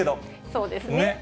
そうですね。